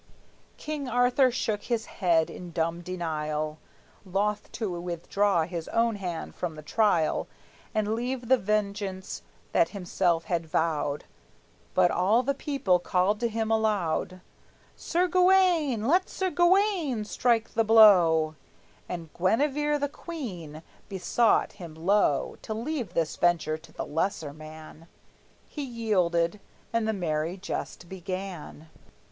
King Arthur shook his head in dumb denial, Loth to withdraw his own hand from the trial, And leave the vengeance that himself had vowed; But all the people called to him aloud, "Sir Gawayne! let Sir Gawayne strike the blow!" And Guinevere, the queen, besought him low To leave this venture to the lesser man. He yielded, and the merry jest began.